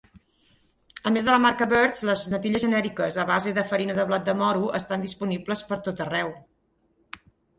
A més de la marca Bird's, les natilles genèriques a base de farina de blat de moro estan disponibles per tot arreu.